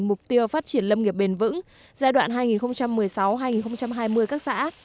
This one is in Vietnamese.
mục tiêu phát triển lâm nghiệp bền vững giai đoạn hai nghìn một mươi sáu hai nghìn hai mươi các xã